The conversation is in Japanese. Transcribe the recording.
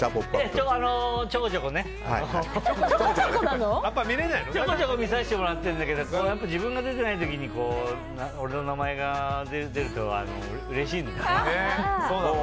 ちょこちょこ見させてもらってるんだけど自分が出てない時に俺の名前が出るとうれしいんだね。